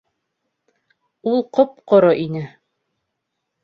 Ул ҡоп-ҡоро ине.